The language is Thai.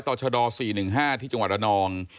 ต่อชะดอร์๔๑๕ที่จังหวัดอนอง